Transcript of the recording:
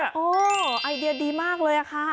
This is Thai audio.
อ่อไอเดียดีมากเลยอะค่ะ